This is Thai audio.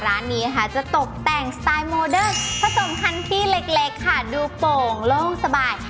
ร้านนี้นะคะจะตกแต่งสไตล์โมเดิร์ผสมคันที่เล็กค่ะดูโป่งโล่งสบาย